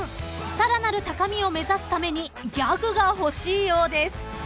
［さらなる高みを目指すためにギャグが欲しいようです］